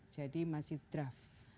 jadi masih draft